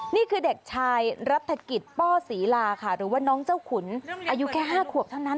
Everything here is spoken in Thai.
นี่คือเด็กชายรัฐกิจป้อศรีลาค่ะหรือว่าน้องเจ้าขุนอายุแค่๕ขวบเท่านั้น